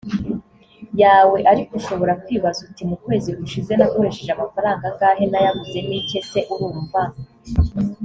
yawe ariko ushobora kwibaza uti mu kwezi gushize nakoresheje amafaranga angahe nayaguzemo iki ese urumva